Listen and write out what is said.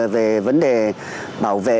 về vấn đề bảo vệ